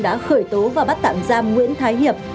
đã khởi tố và bắt tạm giam nguyễn thái hiệp